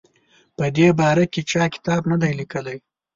په دې باره کې چا کتاب نه دی لیکلی.